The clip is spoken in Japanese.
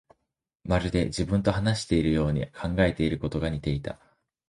まるで自分と話しているように、考えていることが似ていた